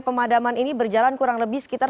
pemadaman ini berjalan kurang lebih sekitar